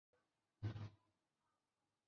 中国大陆至今无公开国葬规定。